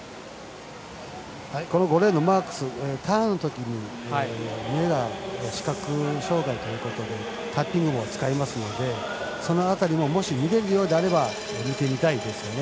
５レーンのマークスターンのときが目が視覚障がいということでタッピングも使いますのでその辺りも見れるようなら見てみたいですね。